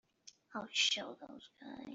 I'll show those guys.